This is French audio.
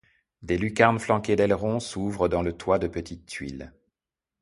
Des lucarnes flanquées d'ailerons s'ouvrent dans le toit de petites tuiles.